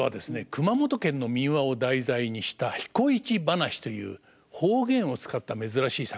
熊本県の民話を題材にした「彦市ばなし」という方言を使った珍しい作品です。